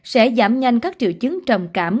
sẽ giảm nhanh các triệu chứng trầm cảm